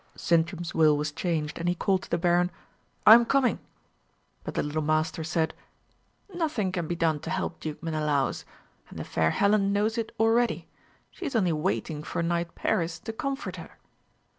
Sintram's will was changed, and he called to the baron, "I am coming." But the little Master said, "Nothing can be done to help Duke Menelaus; and the fair Helen knows it already. She is only waiting for knight Paris to comfort her."